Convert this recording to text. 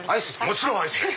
もちろんアイスで！